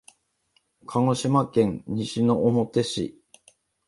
鹿児島県西之表市